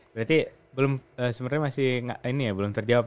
berarti sebenarnya masih ini ya belum terjawab